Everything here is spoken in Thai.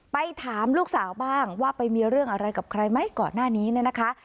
ไปถามลูกสาวบ้างว่าไปมีเรื่องอะไรกับใครไหมก่อนหน้านี้เนี่ยนะคะ